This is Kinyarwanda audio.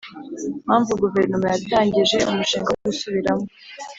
mpamvu Guverinoma yatangije umushinga wo gusubiramo